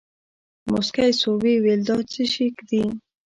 موسکى سو ويې ويل دا چي شې دي.